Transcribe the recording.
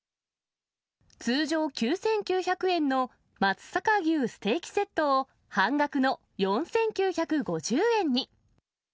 通常９９００円の松阪牛ステーキセットを半額の４９５０円に。